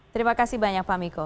terima kasih banyak pak miko